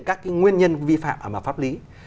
các nguyên nhân vi phạm ở mặt pháp lý